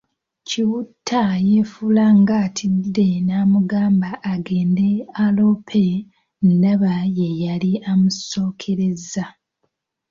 Kiwutta yefuula ng’atidde namugamba agende aloope ndaba yeeyali amusookerezza.